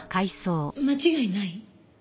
間違いない？